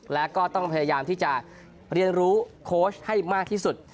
และก็ต้องพยายามที่จะเรียนรู้โค้ชให้มากที่สุด